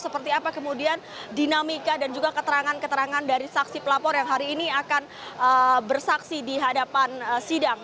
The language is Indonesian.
seperti apa kemudian dinamika dan juga keterangan keterangan dari saksi pelapor yang hari ini akan bersaksi di hadapan sidang